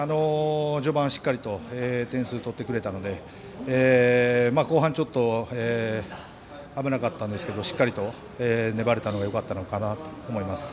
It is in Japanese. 序盤、しっかりと点数取ってくれたので後半ちょっと危なかったんですけどしっかりと粘れたのがよかったのかなと思います。